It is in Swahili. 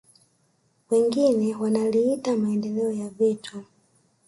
Wengine wanaliita maendeleo ya vitu